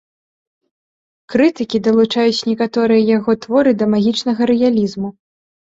Крытыкі далучаюць некаторыя яго творы да магічнага рэалізму.